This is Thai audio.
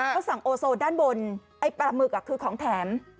เขาสั่งโอโซด้านบนไอ้ปลาหมึกคือของแถม